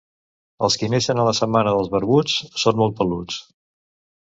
Els qui neixen a la setmana dels barbuts són molt peluts.